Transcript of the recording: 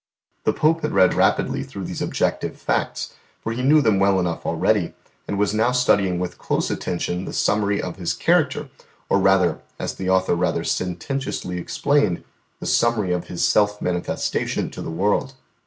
The Pope had read rapidly through these objective facts, for He knew them well enough already, and was now studying with close attention the summary of his character, or rather, as the author rather sententiously explained, the summary of his self manifestation to the world.